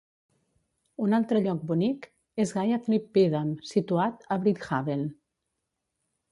Un altre lloc bonic és Gayathri Peedam, situat a Brindhaven.